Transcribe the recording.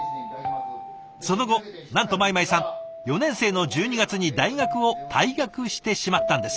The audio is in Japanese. その後なんと米舞さん４年生の１２月に大学を退学してしまったんです。